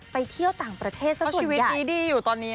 ไปเที่ยวต่างประเทศส่วนใหญ่เพราะชีวิตชีดีอยู่ตอนนี้